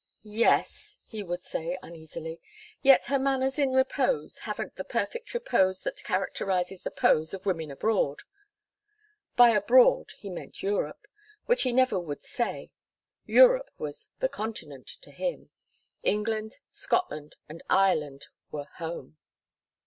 "Yes," he would say uneasily, "yet her manners in repose, haven't the perfect repose that characterises the pose of women abroad." By abroad he meant "Europe," which he never would say. Europe was "the continent" to him. England, Scotland and Ireland were "home."